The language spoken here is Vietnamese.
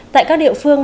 tại các địa phương